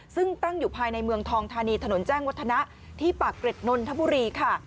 ซึ่งตั้งอยู่ภายในเมืองทองธานีถนนแจ้งวัฒนะที่ปากเกร็ดนนทบุรีค่ะ